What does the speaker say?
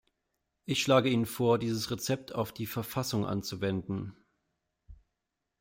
Ich schlage Ihnen vor, dieses Rezept auf die Verfassung anzuwenden.